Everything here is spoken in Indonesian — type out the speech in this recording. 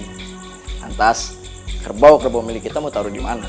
lantas kerbau kerbau milik kita mau taruh di mana